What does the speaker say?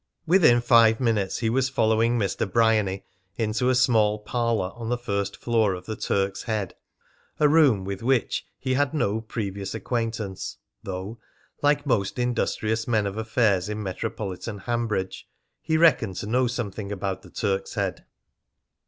Within five minutes he was following Mr. Bryany into a small parlour on the first floor of the Turk's Head, a room with which he had no previous acquaintance, though, like most industrious men of affairs in metropolitan Hanbridge, he reckoned to know something about the Turk's Head.